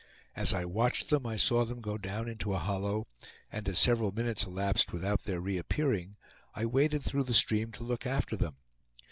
As I watched them, I saw them go down into a hollow, and as several minutes elapsed without their reappearing, I waded through the stream to look after them.